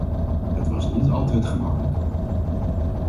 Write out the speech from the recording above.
Het was niet altijd gemakkelijk.